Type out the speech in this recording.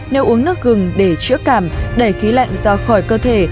nếu uống nước gừng để chữa cảm đẩy khí lạnh ra khỏi cơ thể